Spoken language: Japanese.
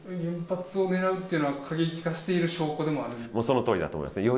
原発を狙うっていうのは、過激化している証拠でもあるんですもうそのとおりだと思います。